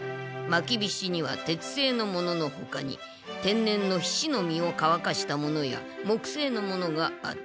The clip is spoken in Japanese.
まきびしには鉄製のもののほかに天然のヒシの実をかわかしたものや木製のものがある。